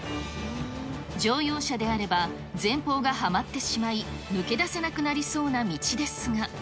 乗用車であれば、前方がはまってしまい、抜け出せなくなりそうな道ですが。